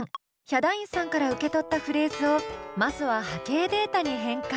ヒャダインさんから受け取ったフレーズをまずは波形データに変換。